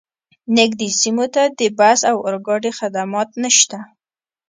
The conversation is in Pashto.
نږدې سیمو ته د بس او اورګاډي خدمات نشته